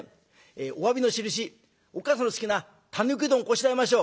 えおわびのしるしおっ母さんの好きなたぬきうどんをこしらえましょう」。